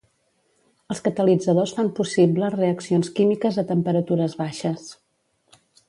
Els catalitzadors fan possible reaccions químiques a temperatures baixes.